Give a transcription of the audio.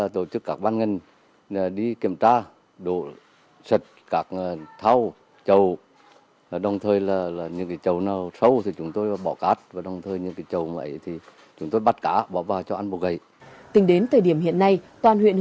tính đến thời điểm hiện nay toàn huyện hương hóa có gần hai trăm linh bệnh nhân